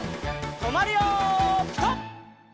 とまるよピタ！